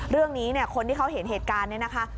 เรื่องนี้เนี่ยคนที่เขาเห็นเหตุการณ์เนี่ยนะคะ